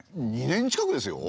２年近くですよ。